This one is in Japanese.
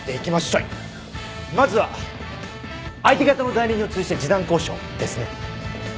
まずは相手方の代理人を通じて示談交渉ですね？